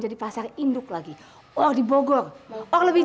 you berani sekarang sama i